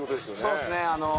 そうですね。